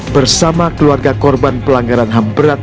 bersama keluarga korban pelanggaran ham berat